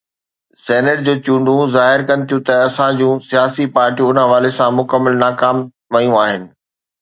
Senate جون چونڊون ظاهر ڪن ٿيون ته اسان جون سياسي پارٽيون ان حوالي سان مڪمل ناڪام ويون آهن.